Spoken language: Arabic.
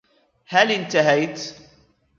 هل أنتهيت ؟